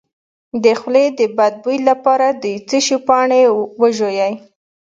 د خولې د بد بوی لپاره د څه شي پاڼې وژويئ؟